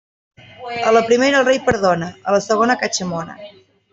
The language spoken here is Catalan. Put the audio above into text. A la primera el rei perdona; a la segona, catxamona.